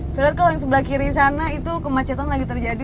saya lihat kalau yang sebelah kiri sana itu kemacetan lagi terjadi